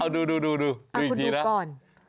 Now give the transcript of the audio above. ดูดูดูอีกดีนะเอาคุณดูก่อน